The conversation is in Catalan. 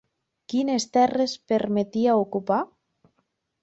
Quines terres permetia ocupar?